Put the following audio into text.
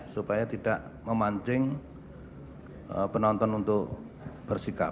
supaya tidak memancing penonton untuk bersikap